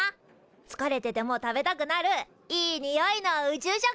つかれてても食べたくなるいいにおいの宇宙食。